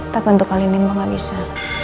tapi untuk kali ini mba gak bisa